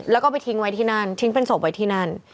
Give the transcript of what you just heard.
แล้วก็ไปทิ้งไว้ที่นั่นทิ้งเป็นศพไว้ที่นั่น